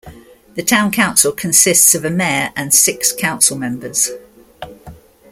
The town council consists of a mayor and six council members.